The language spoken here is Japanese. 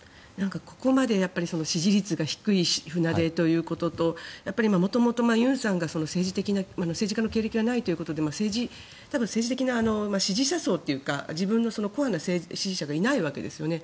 ここまで支持率が低い船出ということと元々、尹さんが政治家の経歴がないということで政治的な支持者層というか自分のコアな支持者がいないわけですよね。